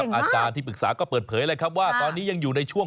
อันการการที่ปรึกษาก็เปิดเผยว่าตอนนี้ยังอยู่ในช่วง